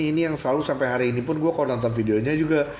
ini yang selalu sampai hari ini pun gue kalau nonton videonya juga